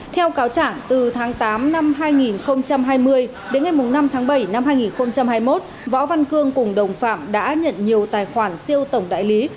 theo cáo chẳng từ tháng tám năm hai nghìn hai mươi đến ngày năm tháng bảy năm hai nghìn hai mươi một võ văn cương cùng đồng phạm đã nhận nhiều tài khoản siêu tổng đại lý